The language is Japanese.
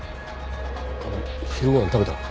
あの昼ご飯食べた？